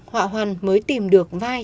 họa hoàn mới tìm được vai